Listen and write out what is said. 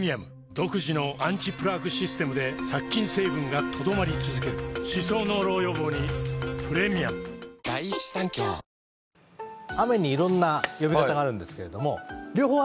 独自のアンチプラークシステムで殺菌成分が留まり続ける歯槽膿漏予防にプレミアム負けたらサイダーおごりね。